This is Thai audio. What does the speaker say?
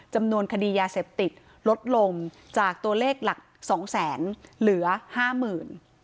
จำนวนคดียาเสพติดลดลงจากตัวเลขหลัก๒๐๐๐๐๐เหลือ๕๐๐๐๐